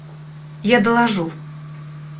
Я доложу.